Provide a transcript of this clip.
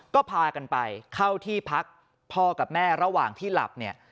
ก็พากันไปเข้าที่พักพ่อกับแม่ระหว่างที่หลับเนี่ย